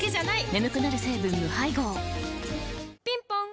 眠くなる成分無配合ぴんぽん